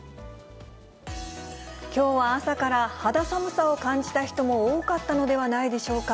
きょうは朝から肌寒さを感じた人も多かったのではないでしょうか。